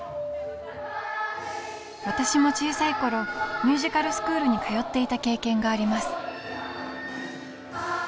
私も小さい頃ミュージカルスクールに通っていた経験があります